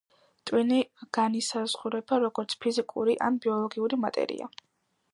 ტვინი განისაზღვრება როგორც ფიზიკური ან ბიოლოგიური მატერია.